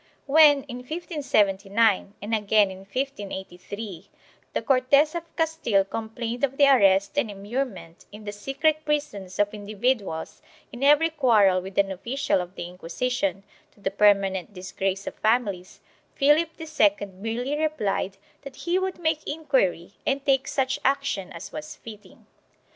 When, in 1579 and again in 1583, the Cortes of Castile complained of the arrest and immurement in the secret prisons of individuals in every quarrel with an official of the Inquisition, to the permanent disgrace of families, Philip II merely replied that he would make inquiry and take such action as was fitting.